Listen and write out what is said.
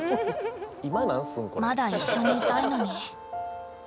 まだ一緒にいたいのに。